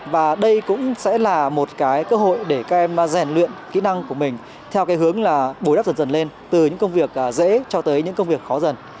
và đây cũng sẽ là một cái cơ hội để các em rèn luyện kỹ năng của mình theo cái hướng là bồi đắp dần dần lên từ những công việc dễ cho tới những công việc khó dần